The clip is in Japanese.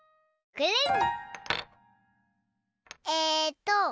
くるん。